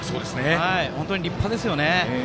本当に立派です。